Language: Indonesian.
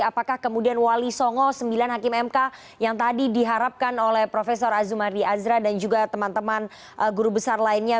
apakah kemudian wali songo sembilan hakim mk yang tadi diharapkan oleh prof azumardi azra dan juga teman teman guru besar lainnya